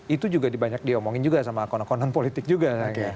itu juga banyak diomongin juga sama akon akon non politik juga